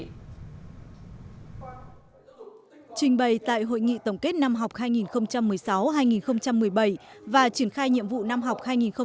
trình bày tại hội nghị tổng kết năm học hai nghìn một mươi sáu hai nghìn một mươi bảy và triển khai nhiệm vụ năm học hai nghìn một mươi hai nghìn hai mươi